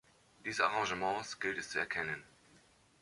Diese Arrangements gilt es zu erkennen.